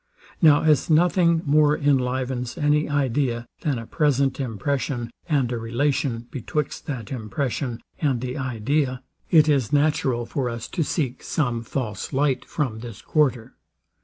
Now as nothing more enlivens any idea than a present impression, and a relation betwixt that impression and the idea; it is natural for us to seek some false light from this quarter.